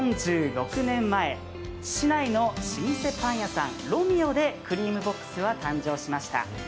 ４６年前、市内の老舗パン屋さんロミオでクリームボックスは誕生しました。